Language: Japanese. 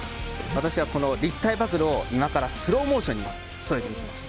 私はこの立体パズルをスローモーションでそろえてみせます。